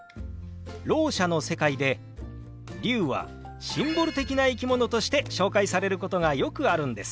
ろう者の世界で龍はシンボル的な生き物として紹介されることがよくあるんです。